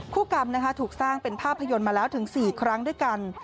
คู่กรรมถูกสร้างเป็นภาพยนตร์มาแล้วถึง๔ครั้งด้วยกัน